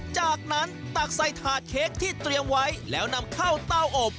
จากนั้นตักใส่ถาดเค้กที่เตรียมไว้แล้วนำเข้าเต้าอบ